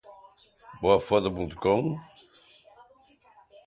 O golpe desferido na bigorna